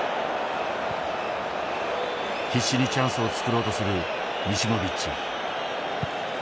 必死にチャンスを作ろうとするミシモビッチ。